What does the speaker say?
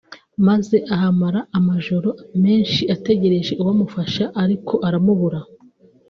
maze ahamara amajoro menshi ategereje uwamufasha ariko aramubura